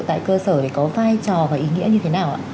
tại cơ sở thì có vai trò và ý nghĩa như thế nào ạ